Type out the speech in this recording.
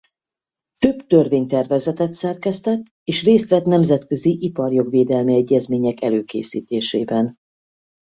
Több törvénytervezetet szerkesztett és részt vett nemzetközi iparjogvédelmi egyezmények előkészítésében.